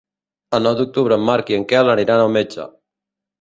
El nou d'octubre en Marc i en Quel aniran al metge.